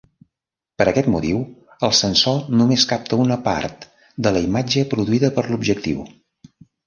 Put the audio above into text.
Per aquest motiu, el sensor només capta una part de la imatge produïda per l'objectiu.